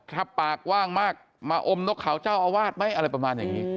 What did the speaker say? ถ้าปากกว้างมากมาอมนกเขาเจ้าอาวาสไหมอะไรประมาณอย่างนี้